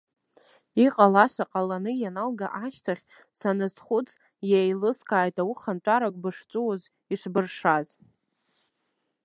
Иҟалаша ҟаланы ианалга ашьҭахь, саназхәыц, иеилыскааит аухантәарак бышҵәуоз ишбыршаз.